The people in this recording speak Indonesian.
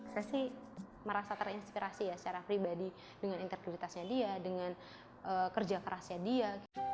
saya sih merasa terinspirasi ya secara pribadi dengan integritasnya dia dengan kerja kerasnya dia